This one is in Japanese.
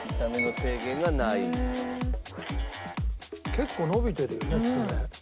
結構伸びてるよね爪。